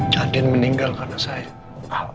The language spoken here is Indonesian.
dan din meninggal karena saya